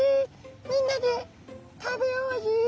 みんなで食べようアジ」。